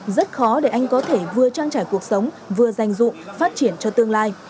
rất khó để anh có thể vừa trang trải cuộc sống vừa dành dụng phát triển cho tương lai